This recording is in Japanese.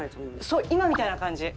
そう今みたいな感じ。